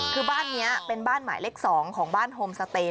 คือบ้านนี้เป็นบ้านหมายเลข๒ของบ้านโฮมสเตน